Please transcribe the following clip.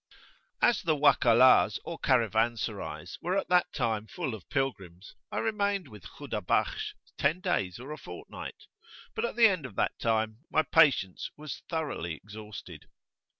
As the Wakalahs or Caravanserais were at that time full of pilgrims, I remained with Khudabakhsh ten days or a fortnight. But at the end of that time my patience was thoroughly exhausted.